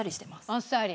あっさり。